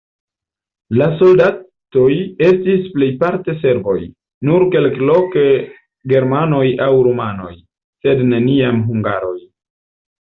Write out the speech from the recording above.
La soldatoj estis plejparte serboj, nur kelkloke germanoj aŭ rumanoj, sed neniam hungaroj.